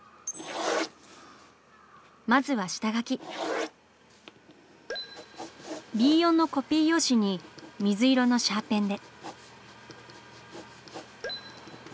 まずはＢ４のコピー用紙に水色のシャーペンで。